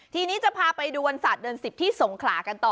ทีนี้จะพาไปดูวันศาสตร์เดือน๑๐ที่สงขลากันต่อ